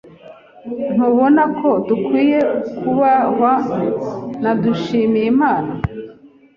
Ntubona ko dukwiye kubahwa na Dushyimiyimana?